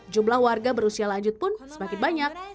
jumlah warga berusia lanjut pun semakin banyak